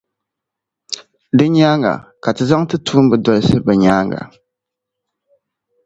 Din nyaaŋa, ka tizaŋ ti tuumba dolsi bɛ nyaaŋa.